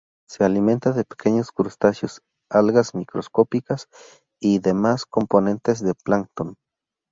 Se alimenta de pequeños crustáceos, algas microscópicas, y demás componentes del plancton.